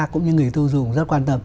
cũng như người tiêu dùng rất quan tâm